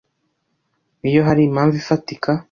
iyo hari impamvu ifatika